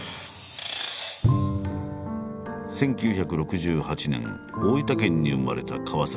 １９６８年大分県に生まれた川。